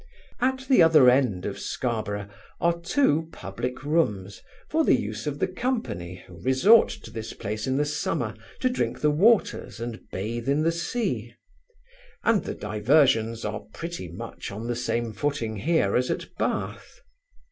At the other end of Scarborough are two public rooms for the use of the company, who resort to this place in the summer to drink the waters and bathe in the sea; and the diversions are pretty much on the same footing here as at Bath.